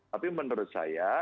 tapi menurut saya